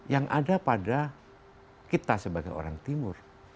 yang ada pada kita sebagai orang timur